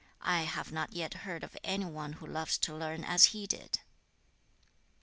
I have not yet heard of any one who loves to learn as he did.'